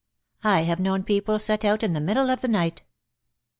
I have known people set out in the middle of the night."